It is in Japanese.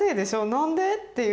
なんで？」っていう。